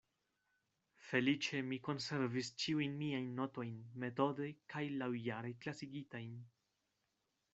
Feliĉe mi konservis ĉiujn miajn notojn metode kaj laŭjare klasigitajn.